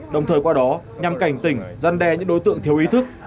đồng thời qua đó nhằm cảnh tỉnh gian đe những đối tượng thiếu ý thức